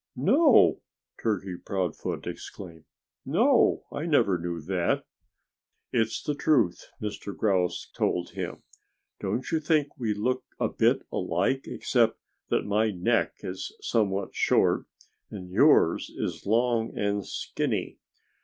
"No!" Turkey Proudfoot exclaimed. "No! I never knew it." "It's the truth," Mr. Grouse told him. "Don't you think we look a bit alike, except that my neck is somewhat short, and yours is long and skinny?